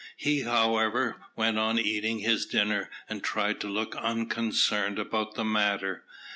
He, however, went on eating his dinner, and tried to look unconcerned about the matter.